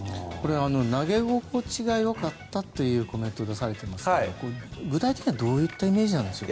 投げ心地がよかったというコメントをされてますが具体的にはどういったイメージですか。